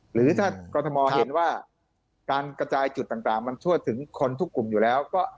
หรือถ้ากรทมเห็นว่าการกระจายจุดต่างมันทั่วถึงคนทุกกลุ่มอยู่แล้วก็